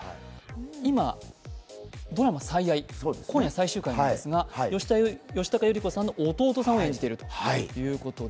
今、ドラマ「最愛」、今夜最終回なんですが、吉高由里子さんの弟さんを演じているということで。